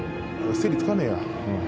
整理つかねえや。